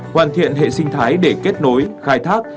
hoàn thiện hệ sinh thái để kết nối khai thác